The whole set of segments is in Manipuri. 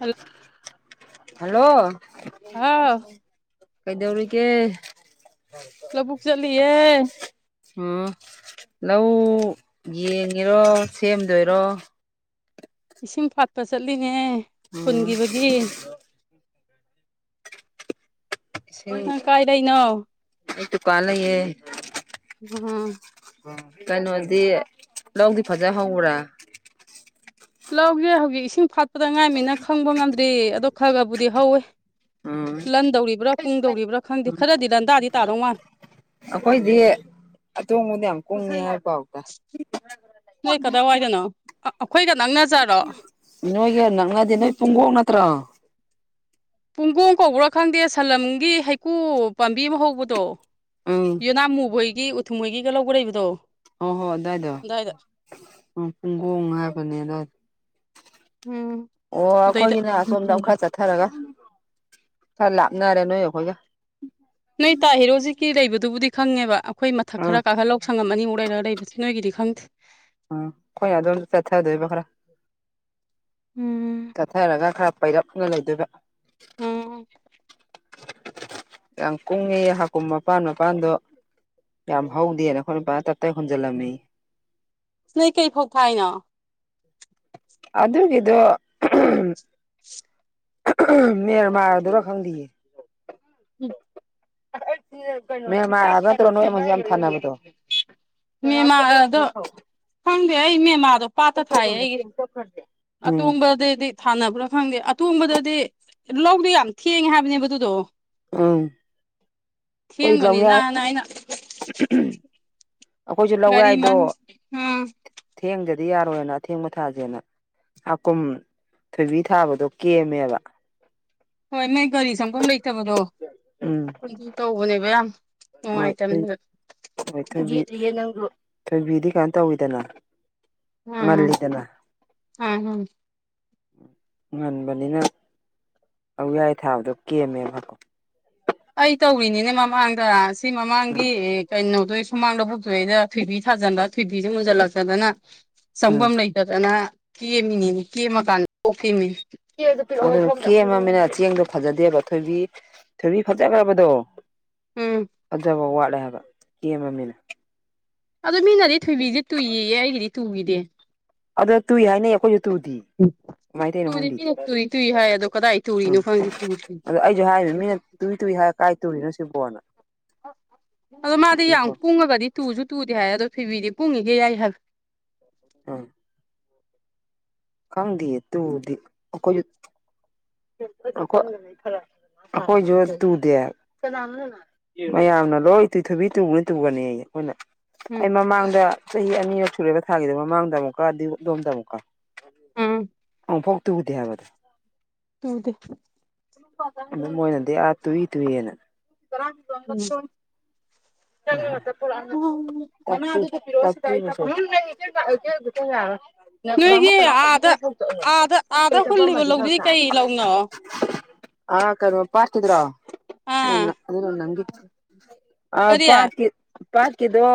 ꯍꯜꯂꯣ ꯍꯜꯂꯣ ꯍꯥꯎ ꯀꯩꯗꯧꯔꯤꯒꯦ ꯂꯧꯕꯨꯛ ꯆꯠꯂꯤꯌꯦ ꯫ ꯎꯝ ꯂꯧ ꯌꯦꯡꯉꯤꯔꯣ ꯁꯦꯝꯗꯣꯏꯔꯣ ꯏꯁꯤꯡ ꯐꯥꯠꯄ ꯆꯠꯂꯤꯅꯦ ꯎꯝ ꯐꯨꯟꯒꯤꯕꯒꯤ ꯫ ꯏꯁꯦ ꯅꯪ ꯀꯥꯏꯗꯩꯅꯣ ꯑꯩ ꯗꯨꯀꯥꯟ ꯂꯩꯌꯦ ꯫ ꯎꯝ ꯀꯩꯅꯣꯗꯤ ꯂꯧꯗꯤ ꯐꯖꯅ ꯍꯧꯕ꯭ꯔꯥ ꯂꯧꯁꯦ ꯍꯧꯖꯤꯛ ꯏꯁꯤꯡ ꯐꯥꯠꯄꯗ ꯉꯥꯏꯃꯤꯅ ꯈꯪꯕ ꯉꯝꯗ꯭ꯔꯤ ꯑꯗꯣ ꯈꯔ ꯈꯔꯕꯨꯗꯤ ꯍꯧꯋꯦ ꯎꯝ ꯫ ꯂꯟꯗꯧꯔꯤꯕ꯭ꯔꯥ ꯀꯨꯡꯗꯧꯔꯤꯕ꯭ꯔꯥ ꯈꯪꯗꯦ ꯈꯔꯗꯤ ꯂꯥꯟꯗꯥꯗꯤ ꯇꯥꯗꯧ ꯃꯥꯜꯂꯦ ꯫ ꯑꯩꯈꯣꯏꯗꯤ ꯑꯇꯣꯡꯕꯗ ꯌꯥꯝ ꯀꯨꯡꯉꯦ ꯍꯥꯏꯕ ꯄꯥꯎ ꯇꯥꯏ ꯫ ꯅꯣꯏ ꯀꯗꯥꯏꯋꯥꯏꯗꯅꯣ ꯑꯩꯈꯣꯏꯒ ꯅꯛꯅꯖꯔꯣ ꯫ ꯅꯣꯏꯒ ꯅꯛꯅꯗꯦ ꯅꯣꯏ ꯄꯨꯡꯀꯣꯛ ꯅꯠꯇ꯭ꯔꯣ ꯫ ꯄꯨꯡꯒꯣꯡ ꯀꯧꯕ꯭ꯔꯥ ꯈꯪꯗꯦ ꯁꯂꯝꯒꯤ ꯍꯩꯀꯨ ꯄꯥꯝꯕꯤ ꯑꯃ ꯍꯧꯕꯗꯣ ꯎꯝ ꯫ ꯌꯦꯅꯥꯝꯃꯨ ꯍꯣꯏꯒꯤ ꯎꯊꯨꯝꯍꯣꯏꯒꯤꯒ ꯂꯧꯒ ꯂꯩꯕꯗꯣ ꯫ ꯍꯣꯏ ꯍꯣꯏ ꯑꯗꯥꯏꯗꯣ ꯎꯝ ꯄꯨꯡꯒꯣꯡ ꯍꯥꯏꯕꯅꯦ ꯑꯗꯥꯏꯗ ꯎꯝ ꯫ ꯑꯣ ꯑꯗꯩꯗ ꯑꯈꯣꯏꯒꯤꯅ ꯁꯣꯝꯗ ꯈꯔ ꯆꯠ ꯊꯔꯒ ꯈꯔ ꯂꯥꯞꯅꯔꯦ ꯅꯣꯏꯒ ꯑꯩꯈꯣꯏꯒ ꯫ ꯅꯣꯏ ꯇꯥ ꯍꯦꯔꯣꯖꯤꯠꯀꯤ ꯂꯩꯕꯗꯨꯕꯨꯗꯤ ꯈꯪꯉꯦꯕ ꯑꯩꯈꯣꯏ ꯃꯊꯛ ꯑꯥ ꯈꯔ ꯀꯥꯈꯠꯂ ꯂꯧ ꯁꯪꯉꯝ ꯑꯅꯤ ꯃꯨꯛ ꯂꯩꯔꯒ ꯂꯩꯕꯁꯦ ꯅꯣꯏꯒꯤꯗꯤ ꯈꯪꯗꯦ ꯫ ꯎꯝ ꯑꯩꯈꯣꯏꯅꯗꯣꯝ ꯆꯠꯊꯗꯣꯏꯕ ꯈꯔ ꯎꯝ ꯆꯠꯊꯔꯒ ꯈꯔ ꯄꯩꯔꯞꯅ ꯂꯩꯗꯣꯏꯕ ꯫ ꯎꯝ ꯌꯥꯝ ꯀꯨꯡꯉꯦ ꯍꯥꯀꯨꯝ ꯃꯄꯥꯟ ꯃꯄꯥꯟꯗꯣ ꯌꯥꯝ ꯍꯧꯗꯦꯅ ꯑꯩꯈꯣꯏꯅꯨꯄꯥ ꯇꯞ ꯇꯥꯏ ꯍꯨꯟꯖꯤꯜꯂꯝꯃꯤꯍꯦ ꯅꯣꯏ ꯀꯩ ꯐꯧ ꯊꯥꯏꯅꯣ ꯑꯗꯨꯒꯤꯗꯣ ꯃꯦꯟꯃꯥꯔꯗꯨꯔ ꯈꯪꯗꯤꯌꯦ [unintelligible] ꯅꯦꯃꯥꯔ ꯍꯥꯏꯕ ꯅꯠꯇ꯭ꯔꯣ ꯅꯣꯏ ꯌꯥꯝ ꯊꯅꯕꯗꯣ ꯀꯅꯥꯝꯇ ꯑꯣꯛꯇꯔꯣ ꯐꯧ ꯐꯪꯗꯦ ꯑꯩ ꯃꯦꯝꯃꯥꯗꯣ ꯄꯥꯠꯇ ꯊꯥꯏꯌꯦ ꯑꯩꯒꯤ ꯎꯝ ꯑꯇꯣꯡꯕꯗꯨꯗꯤ ꯊꯥꯟꯅꯕ꯭ꯔꯥ ꯈꯪꯗꯦ ꯑꯇꯣꯡꯕꯗꯗꯤ ꯂꯧꯗꯨ ꯌꯥꯝ ꯊꯦꯡꯉꯦ ꯍꯥꯏꯕꯅꯦꯕ ꯑꯗꯨꯗꯣ ꯎꯝ ꯍꯣꯏ ꯊꯦꯡꯕꯅꯤꯅ ꯂꯧꯌꯥꯏ ꯑꯩꯅ [inaudible] ꯑꯩꯈꯣꯏꯁꯨ ꯂꯧ ꯒꯥꯔꯤ ꯌꯥꯏꯗꯣ ꯃꯟ ꯎꯝ ꯊꯦꯡꯗꯗꯤ ꯌꯥꯔꯣꯏꯅ ꯑꯊꯦꯡꯕ ꯊꯥꯁꯦꯅ ꯍꯥꯀꯨꯝ ꯊꯣꯏꯕꯤ ꯊꯥꯕꯗꯣ ꯀꯦꯝꯃꯦꯕ ꯍꯣꯏ ꯅꯣꯏ ꯒꯥꯔꯤ ꯁꯪꯐꯝꯝ ꯂꯩꯇꯕꯗꯣ ꯎꯝ ꯇꯧꯕꯅꯦꯕ ꯌꯥꯝ ꯍꯣꯏ ꯅꯨꯡꯉꯥꯏꯇꯕꯅꯦꯕ ꯍꯣꯏ ꯊꯣꯏꯕꯤ ꯊꯣꯏꯕꯤꯗꯤ ꯀꯩꯅꯣ ꯇꯧꯋꯤꯗꯅ ꯎꯝ ꯉꯜꯂꯤꯗꯅ ꯎꯝ ꯎꯝ ꯉꯟꯕꯅꯤꯅ ꯂꯧ ꯌꯥꯏ ꯊꯥꯕꯗꯣ ꯀꯦꯝ ꯑꯦꯝꯃꯦꯕ ꯑꯩ ꯇꯧꯔꯤꯅꯤꯅꯦ ꯃꯃꯥꯡꯗ ꯁꯤ ꯃꯃꯥꯡꯒꯤ ꯀꯩꯅꯣꯗꯣ ꯏꯁ ꯍꯨꯃꯥꯡꯗ ꯂꯕꯨꯛꯊꯣꯏꯅ ꯊꯣꯏꯕꯤ ꯊꯥꯖꯤꯟꯕ ꯊꯣꯏꯕꯤꯁꯦ ꯃꯨꯟꯖꯜꯂꯛꯛꯇꯗꯅ ꯎꯝ ꯆꯪꯐꯝ ꯂꯩ ꯐꯖꯅ ꯀꯦꯝꯃꯤꯅꯦ ꯀꯦꯝꯃꯀꯥꯟꯗ ꯀꯣꯛꯈꯤꯝꯅꯤ ꯑꯗꯨ ꯀꯦꯝꯃꯅꯤꯅ ꯆꯦꯡꯗꯣ ꯐꯖꯗꯦꯕ ꯊꯣꯏꯕꯤ ꯊꯣꯏꯕꯤ ꯐꯖꯈ꯭ꯔꯕꯗꯣ ꯎꯝ ꯐꯖꯕ ꯋꯥꯠꯂꯦꯕ ꯍꯥꯏꯕ ꯀꯦꯝꯃꯝꯅꯤꯅ ꯑꯗꯨ ꯃꯤꯅꯗꯤ ꯊꯣꯏꯕꯤꯁꯦ ꯇꯨꯏꯌꯦ ꯑꯩꯒꯤꯗꯤ ꯇꯨꯈꯤꯗ ꯑꯗꯣ ꯇꯨꯏ ꯍꯥꯏꯅ ꯑꯩꯈꯣꯏꯁꯨ ꯇꯨꯗꯤ ꯀꯃꯥꯏꯅ ꯇꯨꯔꯤ ꯇꯧꯔꯤꯅꯣ ꯈꯪꯗꯦ ꯃꯤꯅ ꯇꯨꯏ ꯇꯨꯏ ꯍꯥꯏ ꯑꯗꯣ ꯀꯗꯥꯏ ꯇꯨꯔꯤꯅꯣ ꯎꯝ ꯈꯪꯗꯦ ꯇꯨ ꯑꯗꯣ ꯑꯩꯁꯨ ꯍꯥꯏꯔꯤꯅꯤ ꯃꯤꯅ ꯇꯨꯏ ꯇꯨꯏ ꯍꯥꯏ ꯀꯥꯏ ꯇꯣꯔꯤꯅꯣ ꯁꯤ ꯕꯣꯔꯅ ꯑꯗꯣ ꯃꯥꯗꯤ ꯌꯥꯝ ꯀꯨꯡꯉꯒꯗꯤ ꯇꯨꯁꯨ ꯇꯨꯗꯦ ꯍꯥꯏ ꯑꯗꯣ ꯐꯤꯕꯤꯗꯤ ꯄꯨꯡꯉꯤꯒꯩ ꯌꯥꯏ ꯍꯥꯏꯕ ꯎꯝ ꯈꯪꯗꯦ ꯇꯨꯗꯦ ꯑꯩꯈꯣꯏꯖꯨ ꯑꯩꯈꯣꯏꯁꯨ ꯇꯨꯗꯦ ꯃꯌꯥꯝꯅ ꯂꯣꯏ ꯇꯣꯏ ꯊꯨꯕꯤ ꯇꯨꯕꯅꯤ ꯇꯨꯒꯅꯤ ꯑꯩ ꯑꯩꯈꯣꯏꯅ ꯎꯝ ꯑꯩ ꯃꯃꯥꯡꯗ ꯆꯍꯤ ꯑꯅꯤꯔꯛ ꯁꯨꯔꯦꯕ ꯊꯥꯒꯤꯗ ꯃꯃꯥꯡꯗ ꯑꯃꯨꯛꯀ ꯑꯗꯨ ꯑꯗꯣꯝꯗ ꯑꯃꯨꯛꯀ ꯎꯝ ꯑꯝ ꯐꯣꯛ ꯇꯨꯗꯦ ꯍꯥꯏꯕꯗ ꯑꯗꯨ ꯇꯨꯗꯦ ꯑꯗꯨ ꯃꯣꯏꯅꯗꯤ ꯑꯥ ꯇꯨꯏ ꯇꯨꯏꯅ ꯎꯝ ꯎꯝ [unintelligible] [unintelligible] ꯑꯦ ꯑꯥꯗ ꯑꯥꯗ ꯑꯥꯗ ꯍꯨꯜꯂꯤꯕ ꯂꯧꯗꯨꯗꯤ ꯀꯩ ꯂꯧꯅꯣ ꯑꯥ ꯀꯩꯅꯣ ꯄꯥꯠꯀꯤꯗꯨꯔꯣ ꯑꯥ ꯑꯗꯨ ꯅꯪꯒꯤ ꯑꯥ ꯀꯔꯤ ꯄꯥꯠ ꯄꯥꯠꯀꯤꯗꯣ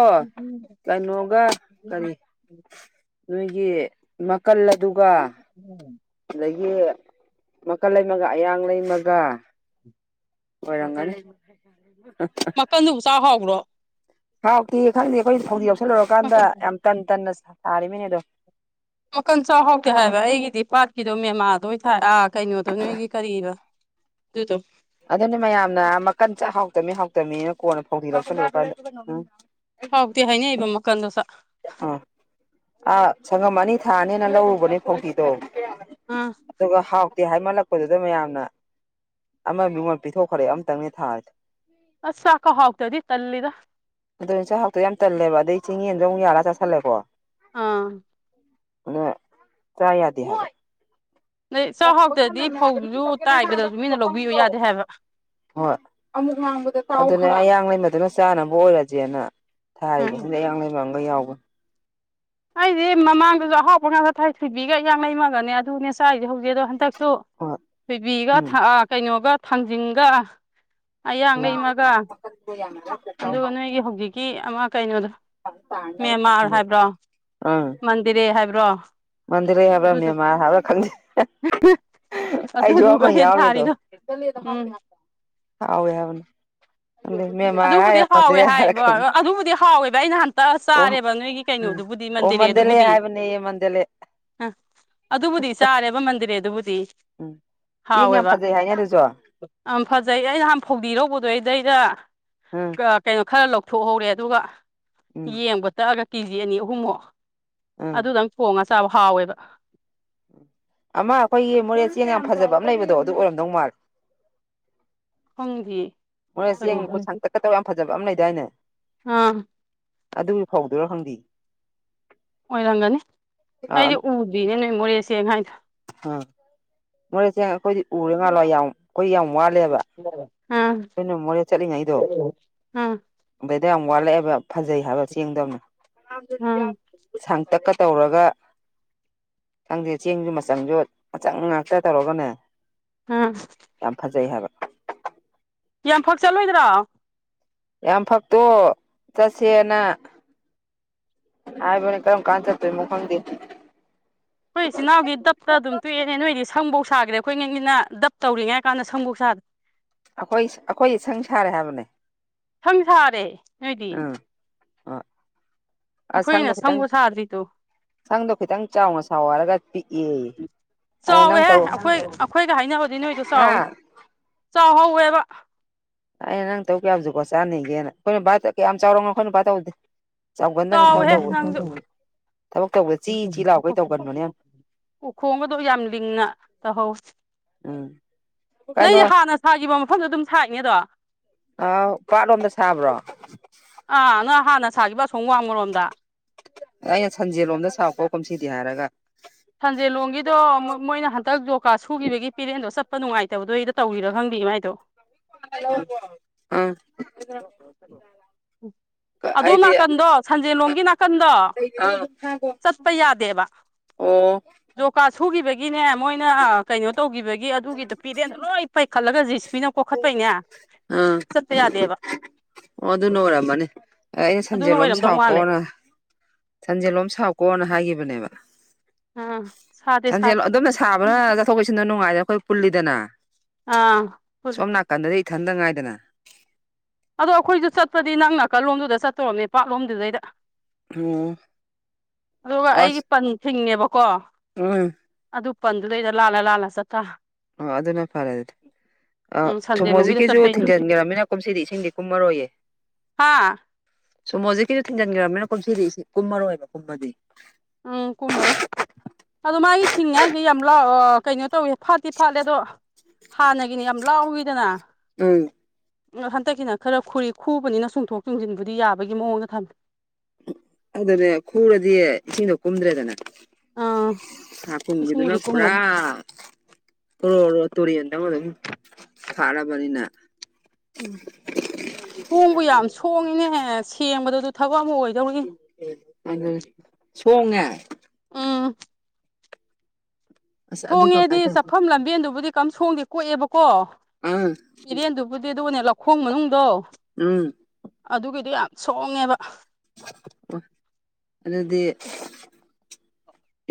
ꯀꯩꯅꯣꯒ ꯀꯔꯤ ꯅꯣꯏꯒꯤ ꯅꯥꯀꯜ ꯑꯗꯨꯒ [inaudible] ꯑꯗꯒꯤ ꯃꯀꯟ ꯂꯩꯃꯒ ꯑꯌꯥꯡ ꯂꯩꯃꯒ ꯑꯣꯏꯔꯝꯒꯅꯤ ꯇꯟꯗꯨꯕꯨ ꯆꯥ ꯍꯥꯎꯕ꯭ꯔꯣ ꯍꯥꯎꯇꯤꯌꯦ ꯈꯪꯗꯦ ꯑꯩꯈꯣꯏ ꯐꯧꯗꯤ ꯌꯥꯎꯁꯜꯂꯨꯔꯀꯥꯟꯗ ꯌꯥꯝ ꯇꯟ ꯇꯟꯅ ꯁꯥꯔꯤꯃꯤꯅꯦ ꯑꯗꯣ ꯃꯀꯟ ꯆꯥꯎꯍꯥꯎꯗꯦ ꯍꯥꯏꯕ ꯑꯩꯒꯤꯗꯤ ꯄꯥꯠꯀꯤꯗꯣ ꯃꯦꯝꯃꯥꯗꯣ ꯑꯣꯏ ꯊꯥꯏ ꯑꯥ ꯀꯩꯅꯣꯗꯣ ꯅꯣꯏꯒꯤ ꯀꯔꯤ ꯑꯗꯨꯗꯣ ꯑꯗꯨꯅꯦ ꯃꯌꯥꯝꯅ ꯃꯀꯟ ꯆꯥꯛ ꯍꯥꯎꯇꯃꯤ ꯍꯥꯎꯇꯃꯤꯅ ꯀꯣꯟꯅ ꯐꯧꯗꯤ ꯂꯧꯁꯜꯂꯨꯔ ꯀꯥꯟꯗ ꯍꯥꯎꯇꯦ ꯍꯥꯏꯅꯩꯕ ꯃꯀꯜꯗꯣ ꯁꯥ ꯑ ꯑꯥ ꯁꯪꯒꯝ ꯑꯅꯤ ꯊꯥꯅꯦꯅ ꯂꯧꯔꯨꯕꯅꯦ ꯐꯧꯗꯤꯗꯣ ꯑꯥ ꯑꯗꯨꯒ ꯍꯥꯎꯇꯦ ꯍꯥꯏꯃꯜꯂꯛꯄꯗꯨꯗ ꯃꯌꯥꯝꯅ ꯑꯃ ꯃꯤꯉꯣꯟ ꯄꯤꯊꯣꯛꯈ꯭ꯔꯦ ꯑꯃꯇꯪꯅꯦ ꯊꯥꯔꯁꯦ ꯑꯁ ꯆꯥꯛꯀ ꯍꯥꯎꯇꯗꯤ ꯇꯜꯂꯤꯗ ꯑꯗꯨ‌ꯅꯦ ꯆꯥꯛ ꯍꯥꯎꯇꯣ ꯌꯥꯝ ꯇꯜꯂꯦꯕ ꯑꯗꯩ ꯆꯤꯡ ꯌꯦꯟꯗꯣ ꯑꯃꯨꯛ ꯌꯥꯂꯒ ꯆꯥꯁꯜꯂꯦꯀꯣ ꯑꯥ ꯑ ꯀꯌꯥ ꯌꯥꯗ ꯍꯥꯏ ꯅꯗ ꯆꯥꯛꯍꯥꯎꯇꯗꯤ ꯐꯧꯗꯨꯁꯨ ꯇꯥꯏꯕꯗꯁꯨ ꯃꯤꯅ ꯂꯧꯕꯤꯌꯨ ꯌꯥꯗꯦ ꯍꯥꯏꯕ ꯍꯣꯏ ꯑꯗꯨꯅꯦ ꯑꯌꯥꯡꯡꯂꯃꯗꯨꯅ ꯆꯥꯅꯕ ꯑꯣꯏꯔꯁꯦꯅ ꯎꯝ ꯊꯥꯔꯤꯕꯁꯤꯗ ꯑꯌꯥ ꯂꯩꯕꯥꯡꯒ ꯌꯥꯎꯕ ꯑꯩꯁꯦ ꯃꯃꯥꯡꯗꯁꯨ ꯑꯍꯥꯎꯄ ꯉ ꯆ ꯊꯋꯥ ꯊꯣꯏꯕꯤꯒ ꯏꯡ ꯂꯩꯃꯒꯅꯦ ꯑꯗꯨꯅꯦ ꯆꯥꯏꯁꯦ ꯍꯧꯖꯤꯛ ꯑꯗꯣ ꯍꯟꯗꯛꯁꯨ ꯍꯣꯏ ꯊꯣꯏꯕꯤꯒ ꯎꯝ ꯀꯩꯅꯣꯒ ꯊꯥꯡꯖꯤꯡꯒ ꯑꯌꯥꯡꯡꯂꯩꯃꯒ ꯆꯄ ꯌꯥꯃꯤ ꯑꯗꯨꯒ ꯅꯣꯏꯒꯤ ꯍꯧꯖꯤꯛꯀꯤ ꯑꯃ ꯀꯩꯅꯣꯗ ꯇꯥꯅꯅꯕ ꯃꯦꯟꯃꯥꯔ ꯊꯝꯕ ꯍꯥꯏꯕ꯭ꯔꯣ ꯇꯤꯔꯦ ꯍꯥꯏꯕ꯭ꯔꯣ ꯃꯟꯗꯤꯔꯩ ꯍꯥꯏꯕ꯭ꯔꯥ ꯑꯗꯨ ꯃꯦꯃꯥꯔ ꯍꯥꯏꯕ꯭ꯔꯥ ꯈꯪꯗꯦ ꯑꯗꯨꯗꯨꯒꯅꯦ ꯊꯥꯔꯤꯗꯣ ꯎꯝ ꯑꯋꯥ ꯑꯃꯥꯎ ꯍꯥꯏ ꯃ ꯑꯗꯨꯕꯨꯗꯤ ꯍꯥꯎꯋꯦ ꯍꯥꯏꯕ ꯑꯗꯨꯕꯨꯗꯤ ꯍꯥꯎꯋꯦꯕ ꯑꯩ ꯅꯍꯟꯇ ꯑꯣ ꯎꯝ ꯆꯥꯔꯦꯕ ꯅꯣꯏꯒꯤ ꯀꯩꯅꯣꯗꯨꯕꯨꯗꯤ ꯑꯣ ꯃꯟꯗꯤꯔꯦ ꯃꯟꯗꯂꯦ ꯑꯗꯨꯕꯨꯗꯤ ꯍꯥꯏꯕꯅꯦꯌꯦ ꯃꯟꯗꯂꯦ ꯑ ꯑꯗꯨꯕꯨꯗꯤ ꯆꯥꯔꯦꯕ ꯃꯟꯗꯤꯔꯦ ꯑꯗꯨꯕꯨꯗꯤ ꯎꯝ ꯆꯦꯡ ꯌꯥꯝ ꯐꯖꯩ ꯍꯥꯏꯅꯤ ꯑꯗꯨꯁꯨ ꯌꯥꯝ ꯐꯖꯩ ꯑꯩ ꯅꯍꯥꯟ ꯐꯧꯗꯤꯔꯧꯕꯗꯣ ꯑꯩꯗꯩꯗ ꯑꯝ ꯀꯩꯅꯣ ꯈꯔ ꯂꯧꯊꯣꯛꯍꯧꯔꯦ ꯑꯗꯨꯒ ꯎꯝ ꯌꯦꯡꯕ ꯇꯛꯑꯒ ꯀꯦꯖꯤ ꯑꯅꯤ ꯑꯍꯨꯝꯃꯨꯛ ꯎꯝ ꯑꯗꯨꯗꯪ ꯊꯣꯡꯉ ꯆꯥꯕ ꯍꯥꯎꯋꯦꯕ ꯑꯃ ꯑꯩꯈꯣꯏꯒꯤ ꯃꯣꯔꯦ ꯆꯦ ꯌꯥꯝ ꯐꯖꯕ ꯑꯃ ꯂꯩꯕꯗꯣ ꯑꯗꯨ ꯑꯣꯏꯔꯝꯗꯧ ꯃꯥꯜꯂꯦ ꯍꯣꯡꯗꯤ ꯃꯣꯔ ꯆ ꯌꯦꯦꯡ ꯈꯨꯠ ꯁꯥꯡ ꯇꯛꯀꯗꯕ ꯌꯥꯝ ꯐꯖꯕ ꯑꯃ ꯂꯩꯗꯥꯏꯅꯦ ꯑꯥ ꯑꯗꯨꯒꯤ ꯐꯥꯎꯗꯨꯔꯣ ꯈꯪꯗꯤ ꯑꯣꯏꯔꯝꯒꯅꯤ ꯑꯥ ꯑꯩꯗꯤ ꯎꯗ꯭ꯣꯏꯅꯦ ꯅꯣꯏ ꯃꯣꯔꯦꯁꯦ ꯍꯥꯏꯗ ꯑ ꯃꯣꯔꯦꯁꯦ ꯑꯩꯈꯣꯏꯗꯤ ꯎꯔꯦ ꯉꯥꯜꯂꯣ ꯌꯥꯎ ꯑꯩꯈꯣꯏ ꯌꯥꯝ ꯋꯥꯠꯂꯦꯕ ꯑꯥ ꯑꯩꯅ ꯃꯣꯔꯦ ꯆꯠꯂꯤꯉꯩꯗꯣ ꯑꯥ ꯑꯗꯩꯗ ꯌꯥꯝ ꯋꯥꯠꯂꯛꯑꯦꯕ ꯌꯥꯝ ꯐꯖꯩ ꯍꯥꯏꯕ ꯆꯦꯡꯗꯣꯅꯦ ꯑꯥ ꯇꯧꯔꯒ ꯈꯪꯗꯦ ꯆꯦꯡꯁꯨ ꯆꯝꯖꯣꯠ ꯃꯆꯪ ꯉꯥꯛꯇ ꯇꯧꯔꯒꯅꯦ ꯎꯝ ꯌꯥꯝꯐꯥꯖꯩ ꯍꯥꯏꯕ ꯀꯌꯥꯝꯐꯛ ꯆꯠꯂꯣꯏꯗ꯭ꯔꯣ ꯌꯥꯝ ꯐꯛꯇꯣ ꯆꯠꯁꯦꯅ ꯍꯥꯏꯕ ꯀꯔꯝ ꯀꯥꯟ ꯊ ꯃ ꯐꯗ ꯑꯩꯣꯏ ꯏꯆꯤꯜ ꯏꯅꯥꯎꯒꯤ ꯗꯞꯇ ꯑꯗꯨꯝ ꯇꯣꯛꯑꯦꯅꯦ ꯅꯣꯏꯗꯤ ꯁꯪꯕꯧ ꯁꯥꯈꯔꯦ ꯑꯩꯈꯣꯏ ꯉꯪꯒꯤꯅ ꯗꯞ ꯇꯧꯔꯤꯉꯩ ꯀꯥꯟꯗ ꯁꯪꯕꯧꯁꯗꯦ [inaudible] ꯑꯩꯈꯣꯏ ꯑꯩꯈꯣꯏ ꯁꯪ ꯁꯥꯔꯦ ꯍꯥꯏꯕꯅꯦ ꯁꯪ ꯁꯥꯔꯦ ꯅꯣꯏꯗꯤ ꯎꯝ ꯑ ꯑ ꯁꯪꯗꯣ ꯑꯩꯈꯣꯏꯒꯤꯅ ꯈꯤꯇꯪ ꯁꯪꯕꯨ ꯁꯥꯗ꯭ꯔꯤꯗꯣ ꯁꯪꯗꯣ ꯈꯤꯇꯪ ꯆꯥꯎꯅ ꯁꯥꯎ ꯍꯥꯏꯔꯒ ꯄꯤꯛꯑ ꯆꯥꯎꯋꯦꯍꯦ ꯑꯩꯈꯣꯏ ꯑꯩꯈꯣꯏꯒ ꯍꯥꯏꯅꯕꯗꯤ ꯅꯣꯏꯗꯣ ꯆꯥꯎꯋꯦ ꯍꯥ ꯆꯥꯎꯍꯧꯋꯦꯕ ꯑꯩꯅ ꯅꯪ ꯇꯧ ꯀꯌꯥꯕꯨꯁꯨꯛꯀꯣ ꯆꯥꯅꯤꯡꯒꯦꯅ ꯑꯩꯈꯣꯏꯅ ꯕꯥ ꯀꯌꯥꯝ ꯆꯥꯎꯔꯒ ꯑꯩꯈꯣꯏꯅ ꯕꯥ ꯇꯧꯗꯦ ꯆꯥꯎꯋꯦꯍꯦ ꯅꯪꯖꯨ ꯊꯕꯛ ꯇꯧꯕꯗ ꯆꯤ ꯆꯤ [unintelligible] ꯂꯥꯎꯈꯩ ꯇꯧꯒꯟꯕꯅꯦ ꯌꯥꯝ ꯎꯈꯣꯡꯒꯗꯣ ꯌꯥꯝ ꯂꯤꯡꯅ ꯇꯧꯍꯧꯋꯤ ꯎꯝ ꯅꯣꯏꯁꯦ ꯀꯩꯅꯣ ꯍꯥꯟꯅ ꯁꯥꯈꯤꯕ ꯃꯐꯝꯗꯣ ꯑꯗꯨꯝ ꯁꯥꯥꯏꯅꯦꯗꯣ ꯑꯥ ꯄꯥꯠꯂꯣꯝꯗ ꯁꯥꯕ꯭ꯔꯣ ꯑꯥ ꯅꯪ ꯍꯥꯟꯅ ꯁꯥꯈꯤꯕ ꯑꯁꯣꯝ ꯋꯥꯡꯃꯔꯣꯝꯗ ꯑꯩꯅ ꯁꯟꯖꯦꯜ ꯂꯣꯝꯗ ꯁꯥꯎꯀꯣ ꯀꯨꯝꯁꯤꯗꯤ ꯍꯥꯏꯔꯒ ꯁꯟꯖꯦꯜꯂꯣꯡꯒꯤꯗꯣ ꯃꯣꯏꯅ ꯍꯟꯗꯛ ꯖꯣꯀꯥ ꯁꯨꯈꯤꯕꯒꯤ ꯄꯦꯔꯦꯟꯗꯣ ꯆꯠꯄ ꯅꯨꯡꯉꯥꯏꯇꯕꯗꯨꯏꯗ ꯇꯧꯔꯤꯔꯥ ꯈꯪꯗꯦ ꯃꯥꯏꯗꯣ [inaudible] ꯑꯥ ꯑꯗꯣꯝ ꯑꯩꯗꯤ ꯅꯥꯀꯟꯗꯣ ꯁꯟꯖꯦꯜꯂꯣꯝꯒꯤ ꯅꯥꯀꯟꯗꯣ ꯑꯥ ꯆꯠꯄ ꯌꯥꯗꯦꯕ ꯑꯣ ꯖꯣꯀꯥꯠ ꯁꯨꯒꯤꯕꯒꯤꯅꯦ ꯃꯣꯏꯅ ꯀꯩꯅꯣ ꯇꯧꯈꯤꯕꯒꯤ ꯑꯗꯨꯒꯤꯗꯨ ꯄꯤꯔꯦꯟꯗꯣ ꯂꯣꯏ ꯄꯩꯈꯠꯂꯒ ꯖꯤ ꯁꯤ ꯄꯤꯅ ꯀꯣꯛꯈꯠꯄꯩꯅꯦ ꯆꯠ ꯄ ꯌꯥꯗꯦꯕ ꯑꯣ ꯑꯗꯨꯅ ꯑꯣꯏꯔꯝꯃꯅꯤ ꯑꯩꯅ ꯑꯗꯨꯅ ꯁꯟꯖꯦꯜꯂꯣꯝ ꯑꯣꯏꯔꯝꯗꯧ ꯃꯥꯜꯂꯦ ꯁꯥꯎꯀꯣꯅ ꯁꯟꯖꯦꯜꯂꯣꯝ ꯁꯥꯎꯀꯣꯅ ꯍꯥꯏꯈꯤꯕꯅꯦꯕ ꯑꯥ ꯁꯥꯗꯦ ꯁꯥꯗꯦ ꯁꯟꯖꯦꯜ ꯑꯗꯣꯝꯅ ꯁꯥꯕꯅ ꯆꯠꯊꯣꯛ ꯆꯠꯁꯤꯟꯗꯣ ꯅꯨꯡꯉꯥꯏꯗꯅ ꯑꯩꯈꯣꯏ ꯄꯨꯜꯂꯤꯗꯅ ꯑꯥ ꯄꯨꯜꯂꯤ ꯇꯟꯗꯗꯤ ꯏꯊꯟꯗ ꯉꯥꯏꯗꯅ ꯑꯗꯣ ꯑꯩꯈꯣꯏꯁꯨ ꯆꯠꯄꯗꯤ ꯅꯪ ꯅꯥꯀꯟꯂꯣꯝꯗꯨꯗ ꯆꯠꯇꯣꯏ ꯑꯣꯏꯔꯝꯅꯤ ꯄꯥꯛꯂꯣꯝꯗꯨꯗꯩꯗ ꯎꯝ ꯑꯗꯨꯒ ꯑꯩꯒꯤ ꯑꯁ ꯄꯟ ꯊꯤꯡꯉꯦꯕꯀꯣ [inaudible] ꯑꯗꯨ ꯄꯟꯗꯨꯗꯩꯗ ꯂꯥꯜꯂꯥ ꯂꯥꯜꯂꯥ ꯆꯠꯇꯥꯔꯦ ꯑꯣ ꯑꯗꯨꯅ ꯐꯔꯦ ꯑꯗꯨꯗꯤ ꯑꯥ ꯎꯝ ꯁꯟꯖꯦꯅꯨꯒꯤꯗ ꯁꯣꯃꯣꯔꯖꯤꯠꯀꯤꯁꯨ ꯆꯠꯄꯩꯅꯦ ꯊꯤꯡꯖꯤꯟꯒ꯭ꯔꯃꯤꯅ ꯀꯨꯝꯁꯤꯗꯤ ꯏꯁꯤꯡꯗꯤ ꯀꯨꯝꯃꯔꯣꯏꯌꯦ ꯍꯥꯥ ꯁꯣꯃꯣꯔꯖꯤꯠꯀꯤꯁꯨ ꯊꯤꯟꯖꯤꯟꯒ꯭ꯔꯕꯅꯤꯅ ꯀꯨꯝꯁꯤꯗꯤ ꯀꯨꯝꯃꯔꯣꯏꯕ ꯀꯨꯝꯕꯗꯤ ꯎꯝ ꯀꯨꯝꯃꯔꯣꯏ ꯑꯗꯣ ꯃꯥꯒꯤ ꯊꯤꯡꯉꯦ ꯍꯥꯏꯖꯦ ꯌꯥꯝ ꯂꯥꯎ ꯑꯥ ꯀꯩꯅꯣ ꯇꯧꯋꯦ ꯐꯠꯇꯤ ꯐꯠꯂꯦ ꯑꯗꯣ ꯍꯥꯟꯅꯒꯤꯅ ꯌꯥꯝ ꯂꯥꯎꯏꯗꯅ ꯎꯝ ꯍꯟꯗꯛꯀꯤꯅ ꯈꯔ ꯈꯨꯔꯤ ꯈꯨꯕꯅꯤꯅ ꯆꯨꯡꯊꯣꯛ ꯆꯨꯡꯁꯤꯟꯕꯨꯗꯤ ꯌꯥꯕꯒꯤ ꯃꯑꯣꯡꯗ ꯊꯝꯃꯦ ꯑꯗꯨꯅꯦ ꯈꯨꯔꯗꯤ ꯏꯁꯤꯡꯗꯣ ꯀꯨꯝꯗ꯭ꯔꯦꯗꯅ ꯑꯥ ꯍꯥꯀꯨꯝꯒꯤꯗꯨꯅ ꯏꯁꯤꯡꯕꯨꯗꯤ ꯄꯨꯔꯥ ꯀꯨꯝꯃꯔꯣꯏ ꯑꯣꯔꯣꯔꯣ ꯇꯨꯔꯦꯟꯗꯧꯅ ꯑꯗꯨꯝ ꯐꯥꯠꯂꯕꯅꯤꯅ ꯎꯝ ꯁꯣꯡꯕꯨ ꯌꯥꯝ ꯁꯣꯡꯉꯤꯅꯦꯍꯦ ꯁꯦꯡꯕꯗꯖꯨ ꯊꯕꯛ ꯑꯃ ꯑꯣꯏꯗꯧꯔꯤ ꯎꯝ ꯑꯗꯨꯅꯦ ꯁꯣꯡꯉꯦ ꯎꯝ ꯑꯁ ꯑꯗꯨ ꯁꯣꯡꯉꯦꯗꯤ ꯀꯃꯥꯏꯅ ꯇꯧ ꯆꯥꯠꯐꯝ ꯂꯝꯕꯦꯟꯗꯨꯕꯨꯗꯤ ꯀꯝ ꯁꯣꯡꯗꯦ ꯀꯣꯛꯑꯦꯕꯀꯣ ꯎꯝ ꯏꯔꯦꯟꯗꯨꯕꯨꯗꯤ ꯑꯗꯨꯒꯅꯦ ꯂꯧꯈꯣꯡ ꯃꯅꯨꯡꯗꯣ ꯎꯝ ꯑꯗꯨꯒꯤꯗꯨ ꯌꯥꯝ ꯁꯣꯡꯉꯦꯕ ꯑꯗꯨꯗꯤ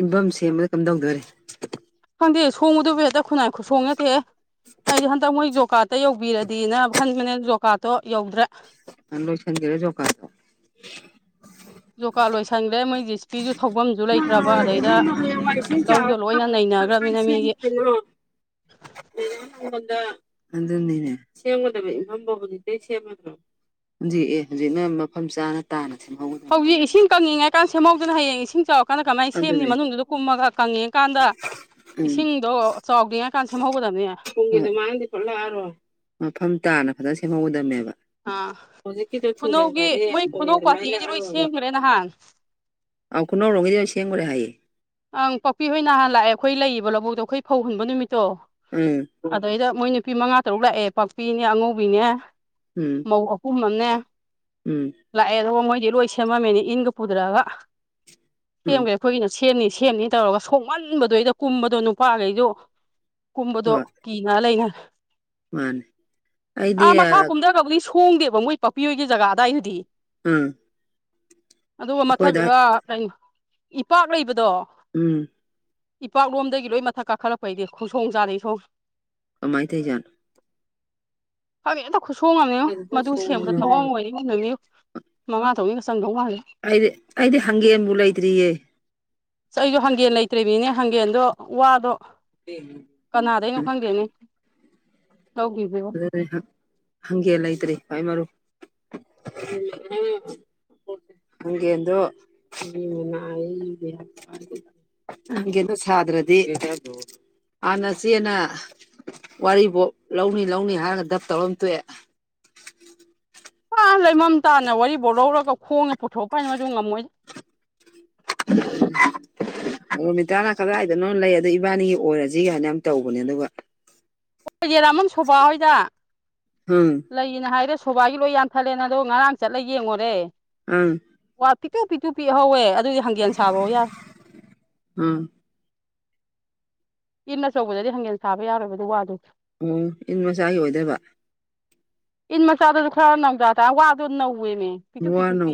ꯏꯟꯕꯝ ꯁꯦꯝꯕꯗ ꯀꯝꯗꯧꯗꯣꯔꯤ ꯈꯪꯗꯦ ꯁꯣꯡꯕꯗꯨꯗꯤ ꯍꯦꯛꯇ ꯈꯨꯟꯅꯥꯏ ꯈꯨꯁꯣꯡ ꯅꯠꯇꯦꯍꯦ ꯑꯩꯗꯤ ꯍꯟꯗꯛ ꯃꯣꯏ ꯖꯣꯀꯥꯔꯠꯇ ꯌꯧꯕꯤꯔꯗꯤꯅ ꯈꯟꯕꯅꯦ ꯑꯗꯣ ꯖꯣꯀꯥꯔꯠ ꯇꯣ ꯌꯧꯗ꯭ꯔꯦ ꯂꯣꯏꯁꯟꯒ꯭ꯔꯦ ꯖꯣꯀꯔꯠꯗꯣ ꯖꯣꯀꯥꯔꯠ ꯂꯣꯏꯁꯟꯈ꯭ꯔꯦ ꯃꯣꯏ ꯖꯤ ꯁꯤ ꯄꯤꯁꯨ ꯊꯧꯐꯝꯁꯨ ꯂꯩꯇ꯭ꯔꯕ ꯑꯗꯩꯗ ꯏꯕꯨꯡꯗꯣ ꯍꯌꯦꯡꯋꯥꯏ ꯏꯁꯤꯡ ꯂꯧꯗꯣ ꯆꯥꯎꯔ ꯂꯣꯏꯅ ꯅꯩꯅꯈ꯭ꯔꯕꯅꯤꯅ ꯃꯤꯒꯤ ꯀꯩꯅꯣ [unintelligible] ꯑꯗꯨꯅꯤꯅꯦ ꯁꯦꯝꯒꯗꯕ ꯏꯐꯝꯗꯣ ꯍꯧꯖꯤꯛꯇꯒꯤ ꯁꯦꯝꯃꯗ꯭ꯔꯣ ꯍꯧꯖꯤꯛ ꯑꯦ ꯍꯧꯖꯤꯛꯅ ꯃꯐꯝ ꯆꯥꯅ ꯇꯥꯅ ꯁꯤꯟꯍꯧꯒ ꯍꯧꯖꯤꯛ ꯏꯁꯤꯡ ꯀꯪꯉꯤꯀꯥꯟ ꯁꯦꯝꯍꯧꯗꯅ ꯍꯌꯦꯡ ꯏꯁꯤꯡ ꯆꯥꯎ ꯀꯥꯟꯗ ꯀꯃꯥꯏꯅ ꯁꯦꯝꯅꯤ ꯑꯗꯨꯅꯦ ꯃꯅꯨꯡꯗꯨꯗ ꯀꯨꯝꯃꯒ ꯀꯪꯉꯤ ꯀꯥꯟꯗ ꯎꯝ ꯏꯁꯤꯡꯗꯣ ꯆꯥꯎꯗꯦꯉ ꯀꯥꯟꯗ ꯁꯦꯝꯍꯧꯒꯗꯕꯅꯦ ꯔ ꯃꯐꯝ ꯇꯥꯅ ꯐꯖꯅ ꯁꯦꯝꯍꯧꯒꯗꯕꯅꯦꯕ ꯑꯥ ꯍꯧꯖꯤꯛꯀꯤꯗꯣ ꯈꯨꯅꯧꯒꯤ ꯊꯤꯡꯖꯕꯗꯤꯦ ꯃꯣꯏ ꯄꯨꯡ ꯈꯨꯅꯧ ꯑꯗꯨꯃꯥꯏꯅ ꯄꯥꯔꯇꯤꯒꯤꯗꯤ ꯂꯣꯏ ꯂꯥꯛꯑꯔꯣꯏꯕ ꯁꯦꯝꯈ꯭ꯔꯦ ꯅꯍꯥꯟ ꯑ ꯀꯨꯅ ꯔꯣꯡꯒꯦꯗꯤ ꯁꯦꯡꯡꯔ ꯍꯥꯏꯌꯦ ꯑꯪ ꯄꯥꯛꯄꯤ ꯍꯣꯏ ꯅꯍꯥꯟ ꯂꯥꯛꯑꯦ ꯑꯩꯈꯣꯏ ꯂꯩꯕ ꯂꯧꯕꯣꯛꯇꯣ ꯑꯩꯈꯣꯏ ꯐꯧ ꯍꯨꯟꯕ ꯅꯨꯃꯤꯠꯇꯣ ꯎꯝ ꯑꯗꯨꯗꯏꯗ ꯃꯣꯏ ꯅꯨꯄꯤ ꯃꯉꯥ ꯇꯔꯨꯛ ꯂꯥꯛꯑꯦ ꯄꯥꯛꯄꯤꯅꯦ ꯑꯉꯧꯕꯤꯅꯦ ꯎꯝ ꯧ ꯑꯄꯨꯝꯅꯅꯦ ꯎꯝ ꯂꯥꯛꯑꯦ ꯑꯗꯨꯒ ꯃꯣꯏꯗꯤ ꯂꯣꯏ ꯁꯦꯝꯃꯝꯃꯤꯅꯤ ꯏꯟꯒ ꯄꯨꯊꯔꯛꯑꯒ ꯎꯝ ꯁꯦꯝꯈ꯭ꯔꯦ ꯑꯩꯈꯣꯏꯒꯤꯅ ꯁꯦꯝꯅꯤ ꯁꯦꯝꯅꯤ ꯇꯧꯔꯒ ꯁꯣꯛꯃꯟꯕꯗꯩꯗ ꯀꯨꯝꯕꯗꯣ ꯅꯨꯄꯥꯈꯩꯗꯣ ꯀꯨꯝꯕꯗꯣ ꯍꯣꯏ ꯃꯤ ꯉ ꯂꯩꯅ ꯃꯥꯅꯦ ꯑꯩꯗꯤ ꯑꯥ ꯃꯈꯥ ꯀꯨꯝꯊ ꯀꯧꯕꯧꯅꯤ ꯍꯣꯡꯗꯦꯕ ꯃꯣꯏ ꯄꯥꯛꯄꯤꯌꯣꯏꯒꯤ ꯖꯒꯥꯗꯋꯥꯏꯗꯨꯗꯤ ꯎꯝ ꯑꯗꯨꯒ ꯃꯊꯛ ꯑꯩꯈꯣꯏꯗ ꯀꯩꯅꯣ ꯏꯄꯥꯛ ꯂꯩꯕꯗꯣ ꯎꯝ ꯏꯄꯥꯛꯂꯣꯝꯗꯒꯤ ꯂꯣꯏ ꯃꯊꯛꯀꯛ ꯈꯔ ꯐꯩꯗꯤ ꯈꯣꯡꯁꯣꯡ ꯆꯥꯗꯩ ꯁꯣ ꯀꯃꯥꯏꯅ ꯊꯩꯖꯥꯟꯣ ꯍꯥꯏꯕꯦ ꯑꯝꯇ ꯈꯨꯠꯁꯣꯡꯉꯝꯅꯤ ꯃꯗꯨ ꯁꯦꯝꯕꯗ ꯊꯑꯣꯡ ꯑꯣꯏꯅꯤ ꯅ ꯃꯤ ꯃꯉꯥ ꯊꯣꯛꯧꯅꯤꯒ ꯆꯪꯗꯧ ꯃꯥꯜꯂꯦ ꯑꯩꯗꯤ ꯑꯩꯗꯤ ꯍꯪꯒꯦꯝꯕꯨ ꯂꯩꯇ꯭ꯔꯤꯌꯦ ꯑꯩꯁꯨꯣ ꯍꯥꯡꯒꯦꯟ ꯂꯩꯇ꯭ꯔꯤꯕꯃꯤꯅꯦ ꯍꯥꯡꯒꯦꯟꯗꯣ ꯋꯥꯗꯣ ꯀꯅꯥꯗꯩꯅꯣ ꯈꯪꯗꯦꯅꯦ ꯂꯧꯈꯤꯁꯦꯕ ꯍꯪꯒꯦ ꯂꯩꯇ꯭ꯔꯤ ꯈꯏ ꯃꯔꯨ ꯍꯦ ꯑꯗꯨꯣ ꯃꯅꯥ ꯑꯩ ꯍꯦꯁꯗ꯭ꯔꯗꯤ ꯍꯥꯟꯅ ꯆꯦꯅ ꯋꯥꯔꯤꯐꯥꯎ ꯂꯧꯅꯤ ꯂꯧꯅꯤ ꯍꯥꯏꯔꯒ ꯗꯞ ꯇꯧꯔꯝ ꯊꯣꯛꯑꯦ ꯂꯩꯃꯝ ꯇꯥꯅ ꯋꯥꯔꯤ ꯕꯣꯠ ꯂꯧꯔꯒ ꯈꯣꯡꯅ ꯄꯨꯊꯣꯛꯄ ꯍꯥꯏꯅ ꯃꯗꯨ ꯉꯝꯃꯣꯏ [inaudible] ꯔꯣꯃꯤꯇꯥꯅ ꯀꯗꯥꯏꯗꯅꯣ ꯂꯩ ꯑꯗꯨ ꯏꯕꯥꯅꯤꯒꯤ ꯑꯣꯏꯔꯁꯤ ꯀꯥꯏꯅ ꯌꯥꯝ ꯇꯧꯕꯅꯦ ꯑꯗꯨꯒ [inaudible] ꯍꯝ ꯂꯩꯌꯦꯅ ꯍꯥꯏꯔꯦ ꯁꯣꯕꯥꯏꯒꯤ ꯂꯣꯏ ꯌꯥꯝꯊꯠꯂꯦꯅ ꯑꯗꯣ ꯉꯔꯥꯡ ꯆꯠꯂꯒ ꯌꯦꯡꯉꯨꯔꯦ ꯑꯪ ꯋꯥ ꯄꯤꯛꯇꯨ ꯄꯤꯛꯇꯨ ꯄꯤꯛꯍꯧꯋꯦ ꯑꯗꯨꯗꯤ ꯍꯥꯡꯒꯦꯟ ꯁꯥꯕꯧ ꯌꯥꯔ ꯎꯝ ꯏꯟ ꯑꯆꯧꯕꯗꯗꯤ ꯍꯪꯒꯦꯟ ꯁꯥꯕ ꯌꯥꯔꯣꯏꯕꯗꯨ ꯋꯥꯗ ꯑꯣ ꯏꯟ ꯃꯆꯥꯒꯤ ꯑꯣꯏꯗꯕ ꯏꯟ ꯃꯆꯥꯗꯨꯁꯨ ꯈꯔ ꯅꯧꯗꯥ ꯇꯥꯔ ꯋꯥꯗꯣ ꯅꯧꯋꯦꯅꯦ ꯄꯤꯊꯣꯛ ꯋꯥ ꯄꯤꯊꯨꯞ ꯄꯤ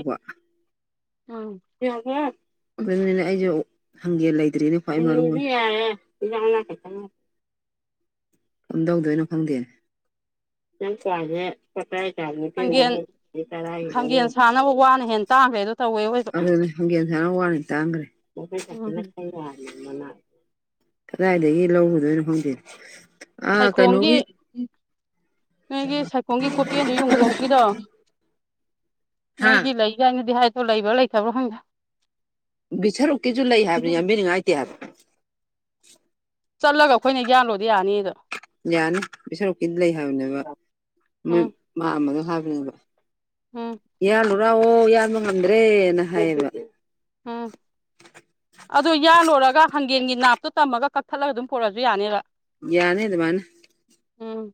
ꯎ ꯌꯥ ꯍ ꯑꯗꯨꯅꯅꯤꯅꯦ ꯑꯩꯁꯨ ꯍꯪꯒꯦ ꯂꯩꯇ꯭ꯔꯤꯅꯦ ꯈ꯭ꯋꯥꯏ ꯃꯔꯨ ꯑꯣꯏ ꯀꯝꯗꯧꯗꯣꯏꯅꯣ ꯈꯪꯗꯦ ꯌꯥꯝ ꯆꯁꯦ ꯐꯠꯇꯥꯏ ꯍꯪꯒꯦꯟ [unintelligible] ꯆ ꯃ ꯏ ꯍꯪꯒꯦꯟ ꯁꯥꯅꯕ ꯋꯥꯅ ꯍꯦꯟꯅ ꯇꯥꯡꯈ꯭ꯔꯦ ꯑꯗꯣ ꯇꯧꯋꯦ ꯑꯋꯣꯏꯕ ꯑꯗꯨꯅꯦ ꯍꯪꯒꯦꯟ ꯁꯥꯅ ꯋꯥꯅꯤ ꯇꯥꯡꯈ꯭ꯔꯦ ꯎꯝ [unintelligible] ꯀꯗꯥꯏꯗꯒꯤ ꯂꯧꯔꯨꯗꯣꯏꯅꯣ ꯈꯪꯗꯦ ꯑꯥ ꯁꯥꯏꯈꯣꯝꯒꯤ ꯀꯩꯅꯣꯒꯤ ꯅꯣꯏꯒꯤ ꯁꯥꯏꯈꯣꯝꯒꯤ ꯒꯣꯄꯦꯟꯗꯨ ꯌꯨꯝꯊꯣꯡꯒꯤꯗꯣ ꯍꯥ ꯃꯣꯏꯒꯤ ꯂꯩ ꯀꯥꯏꯅꯗꯤ ꯍꯥꯏ ꯑꯗꫭ ꯂꯩꯕ꯭ꯔꯥ ꯂꯩꯇꯕ꯭ꯔꯥ ꯈꯪꯗ‌ꯦ ꯕꯤꯁꯔꯨꯛꯀꯤꯁꯨ ꯂꯩ ꯍꯥꯏꯕꯅꯤ ꯌꯥꯝꯕꯤꯅꯤꯡꯉꯥꯏꯂꯩꯇꯦ ꯍꯥꯏꯕ ꯆꯠꯂꯒ ꯑꯩꯈꯣꯏꯅ ꯌꯥꯜꯂꯣꯗꯤ ꯌꯥꯅꯤꯗ ꯌꯥꯅꯤ ꯕꯤꯁꯣꯔꯣꯛꯀꯤꯗꯤ ꯂꯩ ꯍꯥꯏꯕꯅꯦꯕ ꯃꯣꯏ ꯎꯝ ꯃꯥꯝꯃꯥꯗꯨꯅꯥ ꯍꯥꯏꯕꯅꯦꯕ ꯎꯝ ꯌꯥꯜꯂꯨꯔꯥꯎꯑꯣ ꯌꯥꯥꯟꯕ ꯉꯝꯗ꯭ꯔꯦꯅ ꯍꯥꯏꯌꯦꯕ ꯎꯝ [unintelligible] ꯑꯗꯨ ꯌꯥꯜꯂꯨꯔꯒ ꯍꯥꯡꯒꯦꯟꯒꯤ ꯅꯥꯞꯇꯣ ꯇꯝꯃꯒ ꯀꯛꯊꯠꯂꯒ ꯑꯗꯨꯝ ꯄꯨꯔꯛꯑꯁꯨ ꯌꯥꯅꯤꯕ ꯌꯥꯅꯤ ꯑꯗꯨꯃꯥꯏꯅꯥ ꯎꯝ